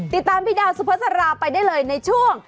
ติดตามพี่ดาวสุภาษาราไปได้เลยในช่วง